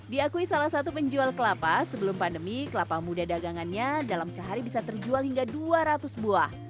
diakui salah satu penjual kelapa sebelum pandemi kelapa muda dagangannya dalam sehari bisa terjual hingga dua ratus buah